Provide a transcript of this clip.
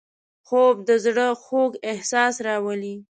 خوب د زړه خوږ احساس راولي